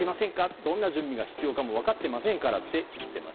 どんな準備が必要かも分かっていませんからと言っています。